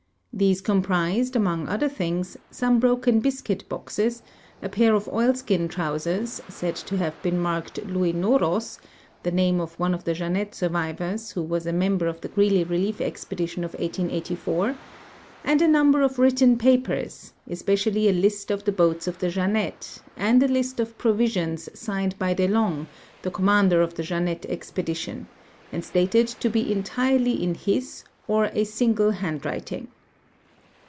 Tliese comprised, among other things, some broken biscuit boxes, a pair of oilskin trousers, said to have been marked Louis Noros (tlie name of one of the Jeannette survivors, who was a member of tlie Greely relief expedition of 1884), and a number of written jiapers, especially a list of tlie boats of the Jeannette^ and a list of provisions signed by De Long, the commander of the Jeannette expedition, and stated to be entirely in his or a single hand writing.